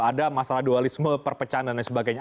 ada masalah dualisme perpecanan dan sebagainya